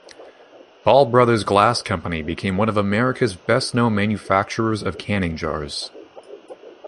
Ball Brothers Glass Company became one of America's best-known manufacturers of canning jars.